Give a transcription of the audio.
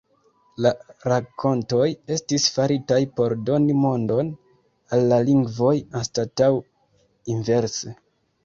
La 'rakontoj' estis faritaj por doni mondon al la lingvoj anstataŭ inverse.